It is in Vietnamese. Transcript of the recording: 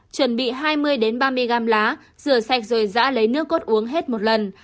chuẩn bị hai mươi ba mươi g lá rửa sạch rồi rã lấy nước cốt uống hết một lần